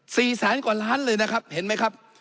แสนกว่าล้านเลยนะครับเห็นไหมครับ